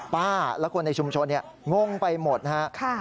ป้าและคนในชุมชนเนี่ยงงไปหมดนะฮะ